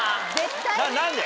何で？